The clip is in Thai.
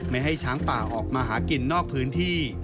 ไม่ให้ช้างป่าออกมาหากินนอกพื้นที่